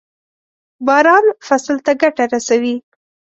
باران فصل ته ګټه رسوي.